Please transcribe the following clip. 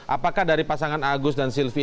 apakah dari pasangan agus dan silvi